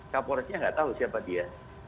kapolresnya nggak tahu siapa dia